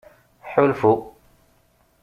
Ḥulfu.